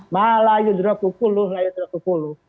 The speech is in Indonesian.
ma layu drapukulu layu drapukulu